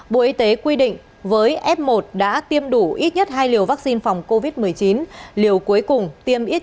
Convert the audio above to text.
bộ y tế quy định với f một đã tiêm đủ ít nhất hai liều vaccine phòng covid một mươi chín liều cuối cùng tiêm ít